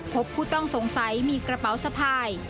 พบผู้ต้องสงสัยมีกระเป๋าสะพาย